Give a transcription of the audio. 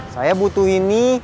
saya butuh ini